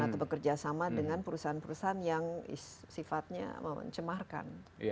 atau bekerja sama dengan perusahaan perusahaan yang sifatnya mencemarkan